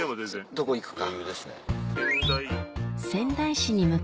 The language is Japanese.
どこ行くか。